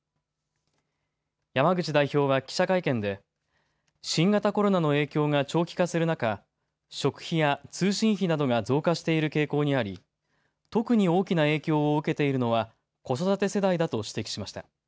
山口代表は記者会見で新型コロナの影響が長期化する中、食費や通信費などが増加している傾向にあり特に大きな影響を受けているのは子育て世代だと指摘しました。